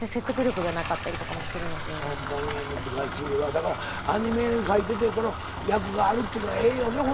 だからアニメ描いてて役があるってのはええよねホンマに。